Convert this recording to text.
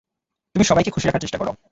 তুমি সবাইকে খুশি রাখার চেষ্টা করো।